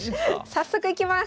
早速いきます！